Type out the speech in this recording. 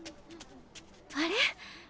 あれ？